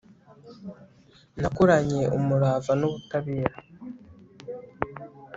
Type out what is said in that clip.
nakoranye umurava n'ubutabera